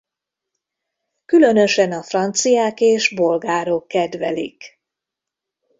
Különösen a franciák és bolgárok kedvelik.